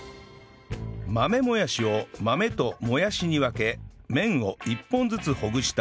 豆もやしを豆ともやしに分け麺を１本ずつほぐしたら